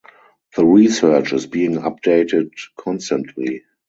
The research is being updated constantly.